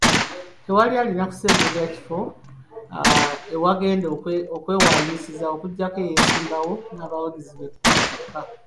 Tewali alina kusemberera kifo ewagenda okwewandisizza okuggyako eyeesimbyewo n'abawagizi be kumi bokka.